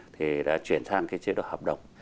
thì đã chuyển sang cái chế độ hợp động